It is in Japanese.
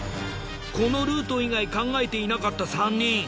このルート以外考えていなかった３人。